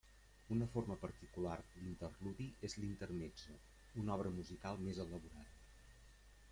Una forma particular d'interludi és l'intermezzo, una obra musical més elaborada.